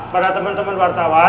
para teman teman wartawan